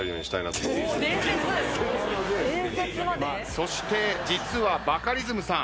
そして実はバカリズムさん。